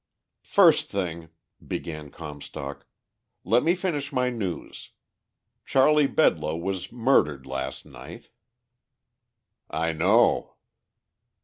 "First thing," began Comstock, "let me finish my news. Charley Bedloe was murdered last night." "I know."